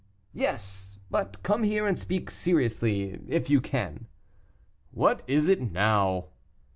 "Yes; but come here and speak seriously, if you can." "What is it now?"